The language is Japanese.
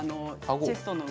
チェストの上？